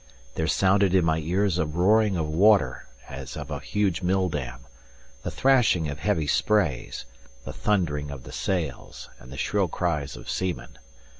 There sounded in my ears a roaring of water as of a huge mill dam, the thrashing of heavy sprays, the thundering of the sails, and the shrill cries of seamen.